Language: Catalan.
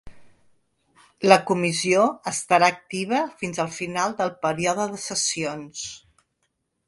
La comissió estarà activa fins al final del període de sessions.